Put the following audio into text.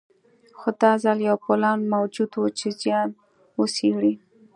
خو دا ځل یو پلان موجود و چې زیان وڅېړي.